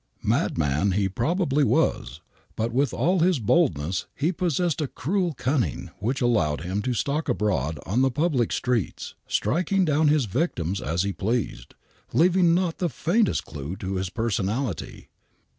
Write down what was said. Madman he probably was,, but with all his boldness he possessed a cruel cunning which allowed him to stalk abroad on the public streets, striking down his victims as he pleased, leaving not the faintest clue to his personality.